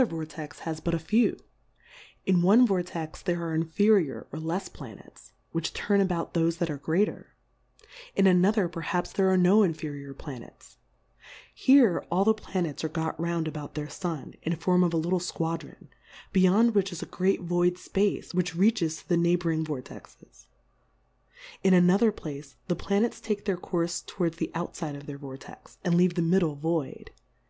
145 Vortex has but a few : In one Vortex, there are inferior or lefs Planets, which turn about thofe that are greater ; in another perhaps, there are no inferior Planets ; here, all the Planets are got round about their Sun, in form of a lit tle Squadron, beyond which, is a great void Space, which reaches to the Neigh bouring Vortexes : In anothei* Place, the Planets take their Courfe towards the outfide of their Vortex, and leave the middle void.